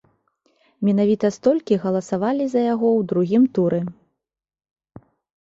Менавіта столькі галасавалі за яго ў другім туры.